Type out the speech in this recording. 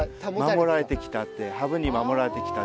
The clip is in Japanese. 守られてきたって。